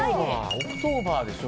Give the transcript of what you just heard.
オクトーバーでしょ？